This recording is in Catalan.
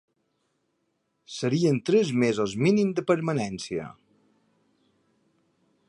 Serien tres mesos mínim de permanència.